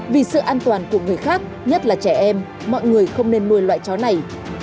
vì sự an toàn của người khác nhất là trẻ em mọi người không nên nuôi loại chó này